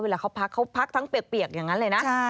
เวลาเขาพักเขาพักทั้งเปียกอย่างนั้นเลยนะ